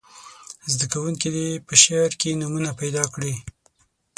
زده کوونکي دې په شعر کې نومونه پیداکړي.